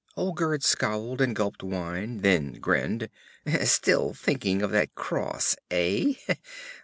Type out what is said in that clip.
Olgerd scowled, and gulped wine, then grinned. 'Still thinking of that cross, eh?